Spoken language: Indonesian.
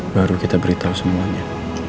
baru kita beritahu semuanya